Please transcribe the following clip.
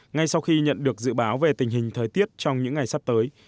ngay sau khi nhận được dự báo về tình hình thời tiết trong những ngày sắp tới